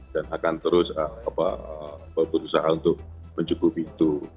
dan akan terus berusaha untuk mencukupi itu